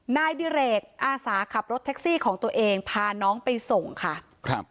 นายดิเรกอาสาขับรถแท็กซี่ของตัวเองพาน้องไปส่งค่ะครับ